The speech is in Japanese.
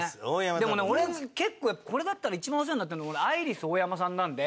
でもね俺結構これだったら一番お世話になってるの俺アイリスオーヤマさんなんで。